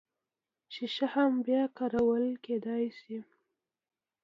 شیشه هم بیا کارول کیدی شي